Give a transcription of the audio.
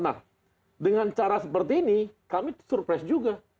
nah dengan cara seperti ini kami surprise juga